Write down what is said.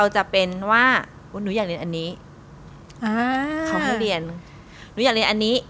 เช่นนี้เต้นอ่อน